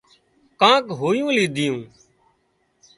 هانَ ڪانڪ هويوُون ليڌيون